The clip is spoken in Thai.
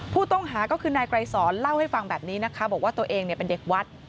ผู้ต้องหาก็คือนายไกรสอนเล่าให้ฟังแบบนี้นะคะบอกว่าตัวเองเป็นเด็กวัด